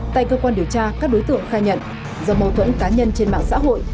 tại cơ quan điều tra các đối tượng khai nhận do mâu thuẫn cá nhân trên mạng xã hội